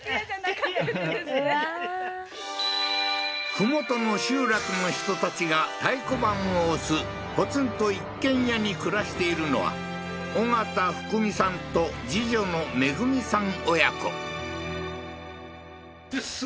麓の集落の人たちが太鼓判を押すポツンと一軒家に暮らしているのは緒方富久美さんと次女のめぐみさん